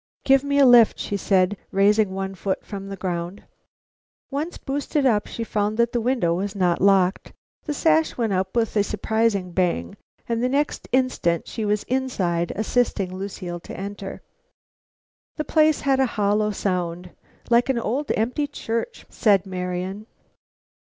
"Give me a lift," she said, raising one foot from the ground. Once boosted up she found that the window was not locked. The sash went up with a surprising bang, and the next instant she was inside and assisting Lucile to enter. The place had a hollow sound. "Like an old, empty church," said Marian.